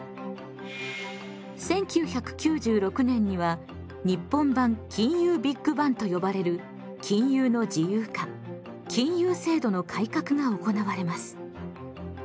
１９９６年には日本版金融ビッグバンと呼ばれる金融の自由化金融制度の改革が行われます。